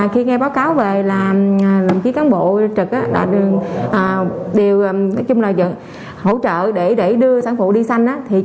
khi nghe báo cáo về là đồng chí cán bộ trực đều hỗ trợ để đưa sản phụ đi sanh